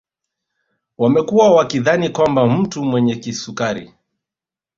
Wamekuwa wakidhani kwamba mtu mwenye kisukari